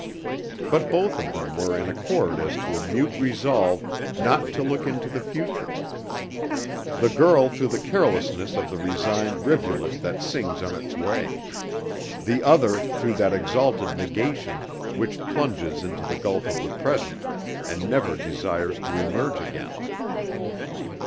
But both of them were in accord as to a mute resolve not to look into the future: the girl through the carelessness of the resigned rivulet that sings on its way the other through that exalted negation which plunges into the gulf of the present and never desires to emerge again.